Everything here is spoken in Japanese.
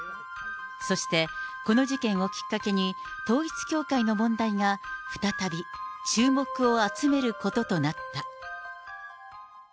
そしてこの事件をきっかけに、統一教会の問題が再び注目を集めることとなった。